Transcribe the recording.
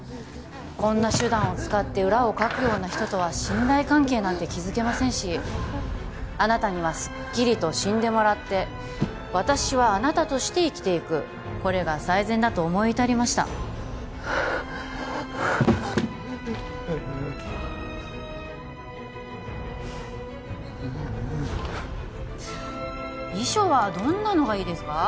こんな手段を使って裏をかくような人とは信頼関係なんて築けませんしあなたにはすっきりと死んでもらって私はあなたとして生きてゆくこれが最善だと思い至りましたはあっはあっううっ遺書はどんなのがいいですか？